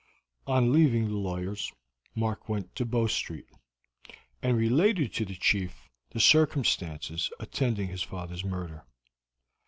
On leaving the lawyer's, Mark went to Bow Street, and related to the chief the circumstances attending his father's murder.